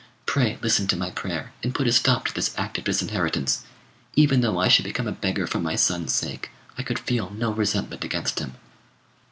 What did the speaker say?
Pray listen to my prayer, and put a stop to this act of disinheritance. Even though I should become a beggar for my son's sake, I could feel no resentment against him."